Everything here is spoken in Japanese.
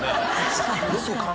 確かに。